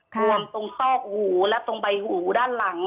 รวมตรงซอกหูและตรงใบหูด้านหลัง